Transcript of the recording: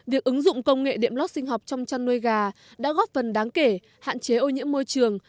việc ứng dụng công nghệ đệm lót sinh học trong chăn nuôi gà đã góp phần đáng kể hạn chế ô nhiễm môi trường